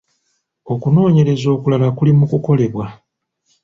Okunoonyereza okulala kuli mu kukolebwa .